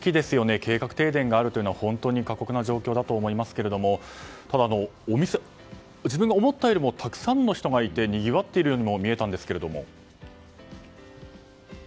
計画停電があるというのは本当に過酷な状況だと思いますがただ、自分が思ったよりもたくさんの人がいてにぎわっているようにも見えたんですが。